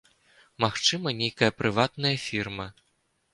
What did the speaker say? Магчыма, нейкая прыватная фірма.